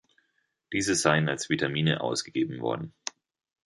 Diese seien als Vitamine ausgegeben worden.